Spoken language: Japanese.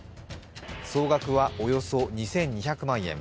総額はおよそ２２００万円。